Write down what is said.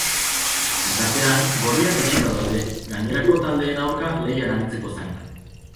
Bitartean, gorriak etsita daude, gainerako taldeen aurka lehian aritzeko zain.